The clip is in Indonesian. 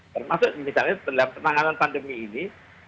termasuk misalnya dalam penanganan pandemi ini